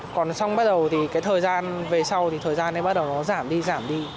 còn xong bắt đầu thì cái thời gian về sau thì thời gian này bắt đầu nó giảm đi giảm đi